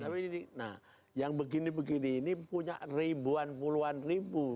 tapi ini nah yang begini begini ini punya ribuan puluhan ribu